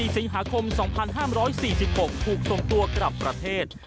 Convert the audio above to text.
๔สิงหาคม๒๕๔๖ถูกส่งตัวกลับประเทศ